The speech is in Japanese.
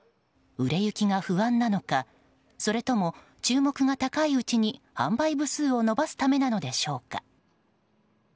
売れ行きが不安なのかそれとも、注目が高いうちに販売部数を伸ばすためなのでしょうか。